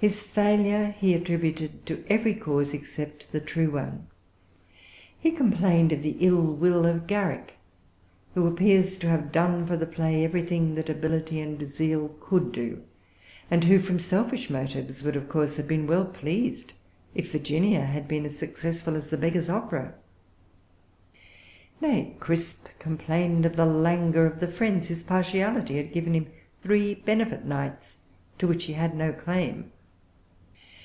His failure he attributed to every cause except the true one. He complained of the ill will of Garrick, who appears to have done for the play everything that ability and zeal could do, and who, from selfish motives, would, of course, have been well pleased if Virginia had been as successful as the Beggar's Opera. Nay, Crisp complained of the languor of the friends whose partiality had given him three benefit nights to which he had no claim.